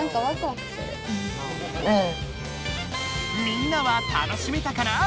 みんなは楽しめたかな？